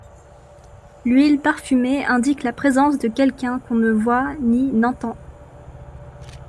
L'huile parfumée indique la présence de quelqu'un qu'on ne voit, ni n'entend.